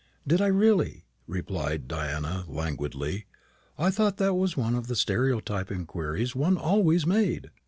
"Didn't I, really?" replied Diana, languidly; "I thought that was one of the stereotyped inquiries one always made."